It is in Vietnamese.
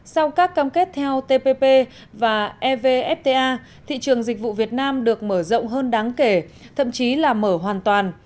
sau các cam kết theo tpp và evfta thị trường dịch vụ việt nam được mở rộng hơn đáng kể thậm chí là mở hoàn toàn